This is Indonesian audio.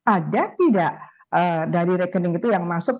ada tidak dari rekening itu yang masuk